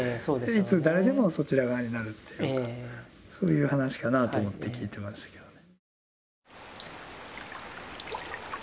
いつ誰でもそちら側になるっていうかそういう話かなと思って聞いてましたけどね。